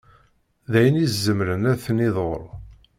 D ayen i izemmren ad ten-iḍuṛ.